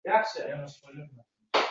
Vodiliy qabri shahidi Karbalo denglar meni.